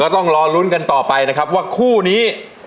ต้องรอลุ้นกันต่อไปว่าคู่นี้